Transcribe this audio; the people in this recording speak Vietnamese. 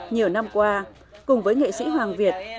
nhiều năm qua cùng với nghệ sĩ hoàng việt